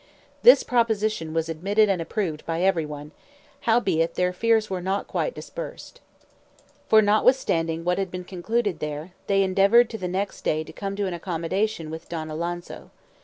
This proposition was admitted and approved by every one; howbeit, their fears were not quite dispersed. For, notwithstanding what had been concluded there, they endeavoured the next day to come to an accommodation with Don Alonso.